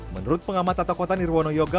menurut pengamat tata kota nirwono yoga